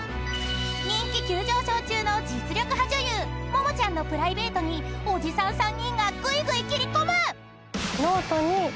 ［人気急上昇中の実力派女優ももちゃんのプライベートにおじさん３人がぐいぐい切り込む！］